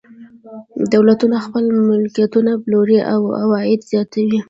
دولتونه خپل ملکیتونه پلوري او عواید زیاتوي.